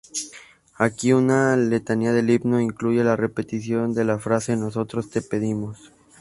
Aquí una "letanía del himno" incluye la repetición de la frase: "Nosotros te pedimos...".